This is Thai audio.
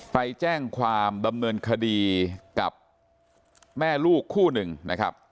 ไปแจ้งความดำเนินคดีกับแม่ลูกคู่หนึ่งนะครับ